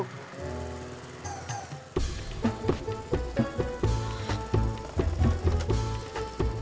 nanti gue jalan